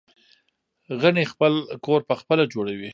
غڼې خپل کور پخپله جوړوي